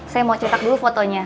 saya mau cetak dulu fotonya